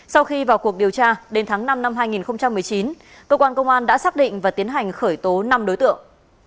sau khi vào cuộc điều tra đến tháng năm năm hai nghìn một mươi chín cơ quan công an đã xác định và tiến hành khởi tố năm đối tượng